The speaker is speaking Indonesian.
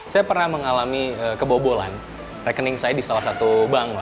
saya pernah mengalami kebobolan rekening saya di salah satu bank